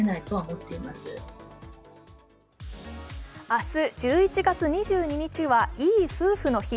明日、１１月２２日はいい夫婦の日。